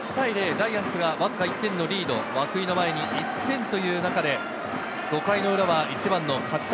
ジャイアンツがわずか１点のリード、涌井の前に１点という中で５回の裏は１番の梶谷。